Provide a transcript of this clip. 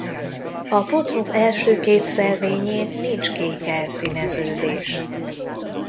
A potroh első két szelvényén nincs kék elszíneződés.